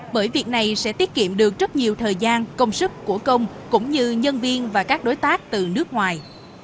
bởi việc này sẽ tiết kiệm được rất nhiều thời gian công sức cổ công cũng như nhân viên và các đối tác từ nước ngoài